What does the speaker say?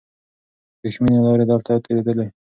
وریښمینې لارې دلته تېرېدلې.